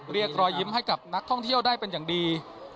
เรียกรอยยิ้มให้กับนักท่องเที่ยวได้เป็นอย่างดี